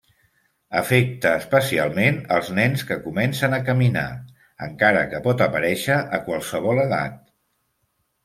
Afecta especialment els nens que comencen a caminar, encara que pot aparèixer a qualsevol edat.